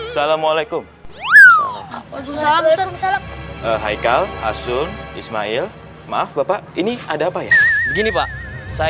salamualaikum salam salam salam hai kal hasun ismail maaf bapak ini ada apa ya gini pak saya